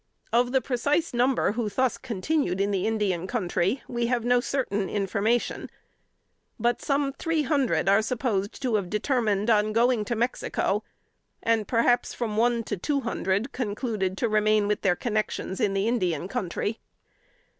Of the precise number who thus continued in the Indian Country, we have no certain information; but some three hundred are supposed to have determined on going to Mexico, and perhaps from one to two hundred concluded to remain with their connexions in the Indian Country.